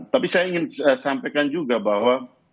tapi saya ingin sampaikan juga bahwa